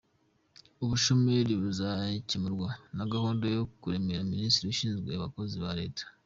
Ubushomeri buzakemurwa na gahunda yo kuremera Minisiteri ishinzwe abakozi ba Leta